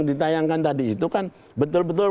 ditayangkan tadi itu kan betul betul